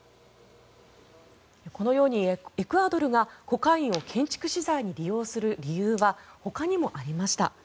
このようにエクアドルがコカインを建築資材に利用する理由はほかにもありました。